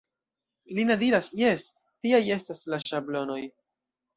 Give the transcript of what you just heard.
Lina diras, Jes, tiaj estas la ŝablonoj.